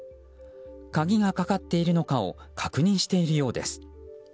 鍵がかかっているのかを確認しているようです。